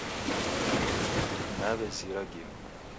Naw'ezira ghimbe